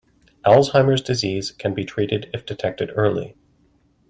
Alzheimer’s disease can be treated if detected early.